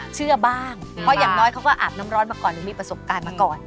เชื่อบ้างเพราะอย่างน้อยเขาก็อาบน้ำร้อนมาก่อนหรือมีประสบการณ์มาก่อน